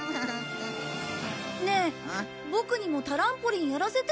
ねえボクにもタランポリンやらせてよ。